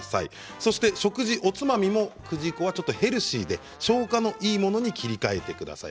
そして食事、おつまみも９時以降はヘルシーで消化のよいものに切り替えてください。